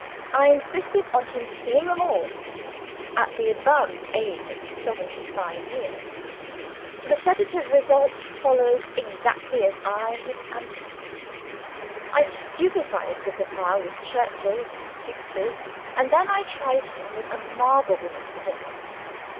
I insisted on his seeing them all at the advanced age of seventy five years! The sedative result followed, exactly as I had anticipated. I stupefied good Papa with churches and pictures and then I tried him with a marble woman to begin with.